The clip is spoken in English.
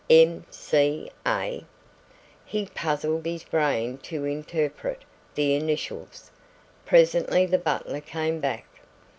"M.C.A.?" He puzzled his brain to interpret the initials. Presently the butler came back.